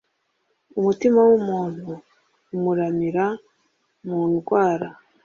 Umutima w’umuntu umuramira mu ndwara